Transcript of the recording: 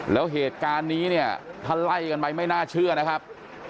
แล้วเหตุการณ์นี้เนี่ยถ้าไล่กันไปไม่น่าเชื่อนะครับ